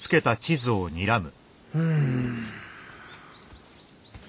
うん。